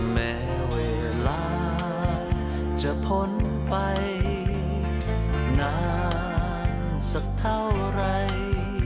แม้เวลาจะพ้นไปนานสักเท่าไร